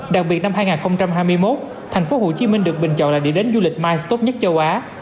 đặc biệt năm hai nghìn hai mươi một tp hcm được bình chọn là điểm đến du lịch mice tốt nhất châu á